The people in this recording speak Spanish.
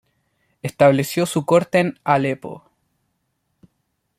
Estableció su corte en Aleppo.